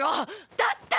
だったら。